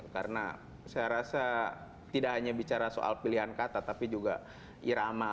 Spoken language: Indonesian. karena saya rasa tidak hanya bicara soal pilihan kata tapi juga irama